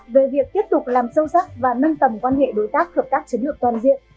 về việc tiếp tục làm sâu sắc và nâng tầm quan hệ đối tác hợp tác chiến lược toàn diện